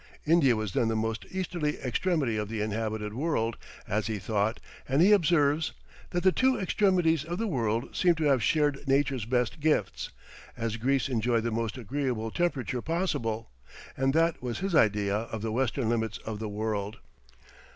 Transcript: India was then the most easterly extremity of the inhabited world, as he thought, and he observes, "that the two extremities of the world seem to have shared nature's best gifts, as Greece enjoyed the most agreeable temperature possible," and that was his idea of the western limits of the world.